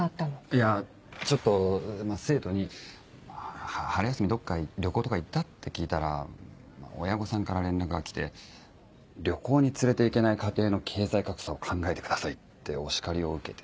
いやちょっと生徒に「春休みどっか旅行とか行った？」って聞いたら親御さんから連絡が来て「旅行に連れていけない家庭の経済格差を考えてください」ってお叱りを受けて。